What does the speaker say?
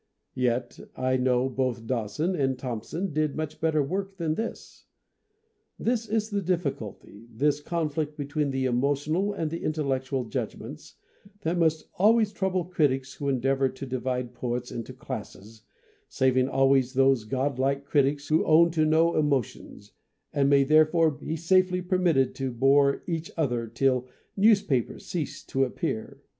Yet I know both Dowson and Thompson did much better work than this. This is the difficulty, this conflict between the emotional and the intellectual judgments, that must always trouble critics who endeavour to divide poets into classes, saving always those god like critics who own to no emo 80 MONOLOGUES tions, and may therefore be safely permitted to bore each other till newspapers cease to appear.